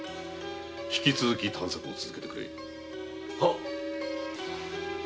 ひき続き探索を続けてくれ。